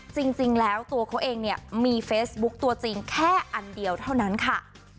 จริงแล้วตัวเขาเองเนี่ยมีเฟซบุ๊คตัวจริงแค่อันเดียวเท่านั้นค่ะ